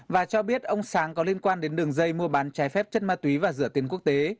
và cho biết ông sáng có liên quan đến đường dây mua bán trái phép chất ma túy và rửa tiền quốc tế